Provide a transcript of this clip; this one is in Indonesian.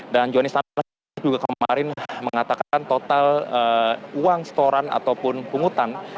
dan jowani stanak juga kemarin mengatakan total uang setoran ataupun pungutan